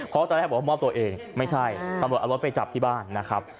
เพราะตอนแรกบอกว่ามอบตัวเองไม่ใช่ตำรวจเอารถไปจับที่บ้านนะครับ